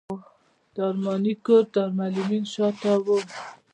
د ارماني کور د دارالمعلمین شاته و.